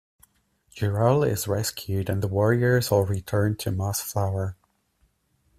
Durral is rescued and the warriors all return to Mossflower.